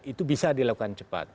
itu bisa dilakukan cepat